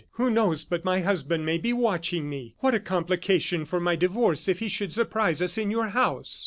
"Who knows but my husband may be watching me! What a complication for my divorce if he should surprise us in your house!"